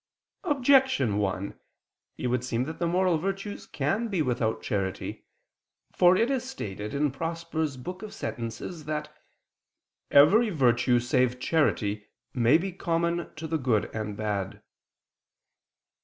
Objection 1: It would seem that moral virtues can be without charity. For it is stated in the Liber Sentent. Prosperi vii, that "every virtue save charity may be common to the good and bad."